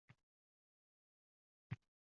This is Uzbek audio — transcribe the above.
Bo`lib o`tgan voqeani eshitib hushimdan ketdim